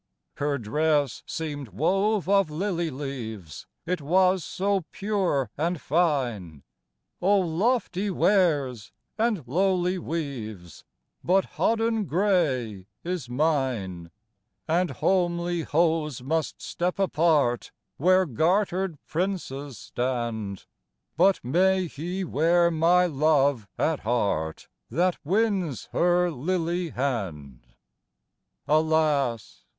Her dress seem'd wove of lily leaves, It was so pure and fine, O lofty wears, and lowly weaves, But hodden gray is mine; And homely hose must step apart, Where garter'd princes stand, But may he wear my love at heart That wins her lily hand! Alas!